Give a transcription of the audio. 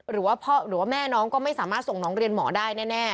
หรือว่าแม่น้องก็ไม่สามารถส่งน้องเรียนหมอได้แน่